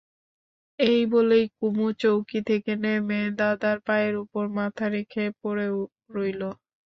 এই বলেই কুমু চৌকি থেকে নেবে দাদার পায়ের উপর মাথা রেখে পড়ে রইল।